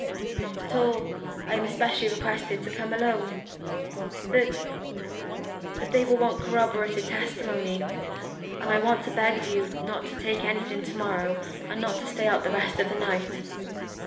"Not at all. I am especially requested to come alone." "The d !" "But they will want corroborative testimony, and I want to beg of you not to take anything to morrow, and not to stay out the rest of the night.